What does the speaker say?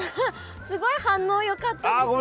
すごい反応よかったです。